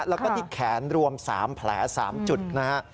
แล้วก็ที่แขนรวม๓แผล๓จุดนะฮะ